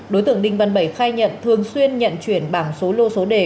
đối tượng đinh văn bảy khai nhận thường xuyên nhận chuyển bảng số lô số đề